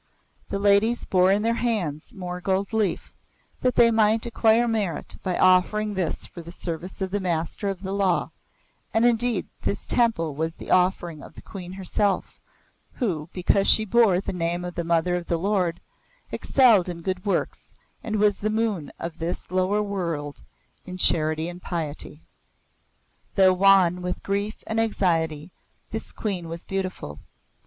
The ladies bore in their hands more gold leaf, that they might acquire merit by offering this for the service of the Master of the Law, and indeed this temple was the offering of the Queen herself, who, because she bore the name of the Mother of the Lord, excelled in good works and was the Moon of this lower world in charity and piety. Though wan with grief and anxiety, this Queen was beautiful.